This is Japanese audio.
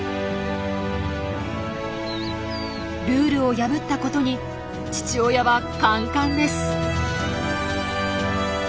ルールを破ったことに父親はカンカンです。